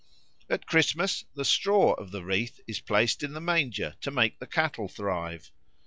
At Christmas the straw of the wreath is placed in the manger to make the cattle thrive.